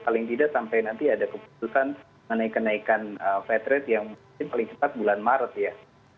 paling tidak sampai nanti ada keputusan mengenai kenaikan fed rate yang mungkin paling cepat bulan maret ya